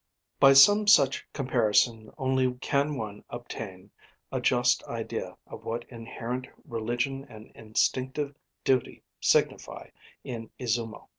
By some such comparison only can one obtain a just idea of what inherent religion and instinctive duty signify in Izumo.